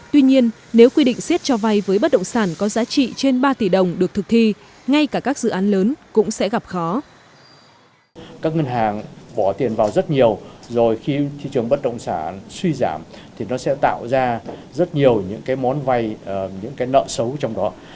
tuy nhiên nếu quy định siết cho vay với bất động sản có giá trị trên ba tỷ đồng được thực thi ngay cả các dự án lớn cũng sẽ gặp khó